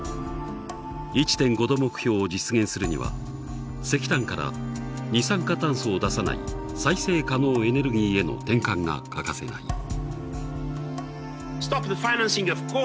１．５℃目標を実現するには石炭から二酸化炭素を出さない再生可能エネルギーへの転換が欠かせない。